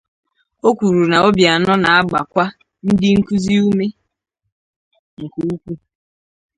O kwuru na Obianọ na-agbàkwa ndị nkuzi ume nke ukwuu